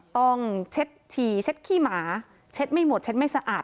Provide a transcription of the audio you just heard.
ต้องเช็ดฉี่เช็ดขี้หมาเช็ดไม่หมดเช็ดไม่สะอาด